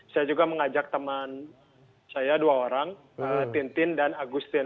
saya juga mengajak teman saya dua orang tintin dan agustin